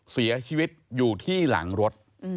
เสียชีวิตอยู่ที่หลังรถ